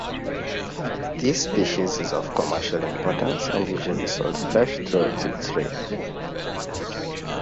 This species is of commercial importance and usually sold fresh throughout its range.